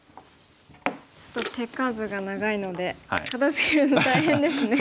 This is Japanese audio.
ちょっと手数が長いので片づけるのが大変ですね。